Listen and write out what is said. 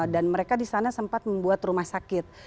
dan mereka di sana sempat membuat rumah sakit